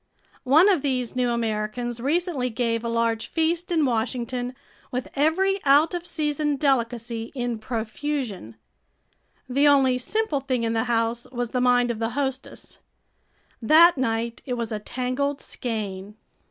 One of these new Americans recently gave a large feast in Washington with every out of season delicacy in profusion. The only simple thing in the house was the mind of the hostess. That night it was a tangled skein.